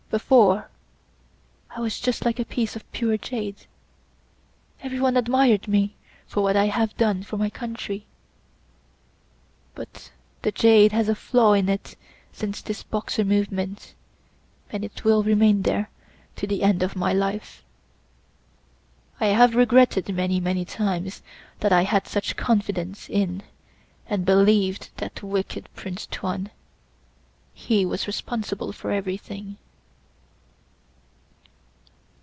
Before I was just like a piece of pure jade; everyone admired me for what I have done for my country, but the jade has a flaw in it since this Boxer movement and it will remain there to the end of my life. I have regretted many, many times that I had such confidence in, and believed that wicked Prince Tuan; he was responsible for everything."